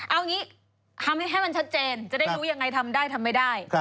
เอางี้ทำให้มันชัดเจนจะได้รู้ยังไงทำได้ทำไม่ได้